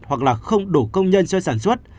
hoặc là không đủ công nhân cho sản xuất